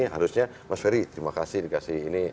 harusnya mas ferry terima kasih